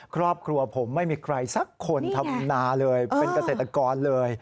ครอบครัวผมไม่มีใครสักคนทำนาเลยเป็นเกษตรกรเลย